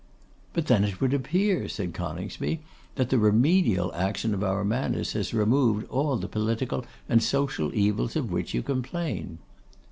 'But then it would appear,' said Coningsby, 'that the remedial action of our manners has removed all the political and social evils of which you complain?